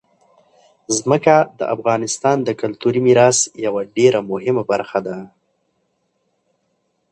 ځمکه د افغانستان د کلتوري میراث یوه ډېره مهمه برخه ده.